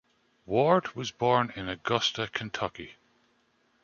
Ward was born in Augusta, Kentucky.